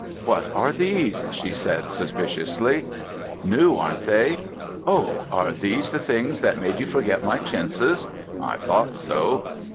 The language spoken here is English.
"What are these?" she said suspiciously. "New, aren't they? Oh! are these the things that made you forget my chintzes? I thought so.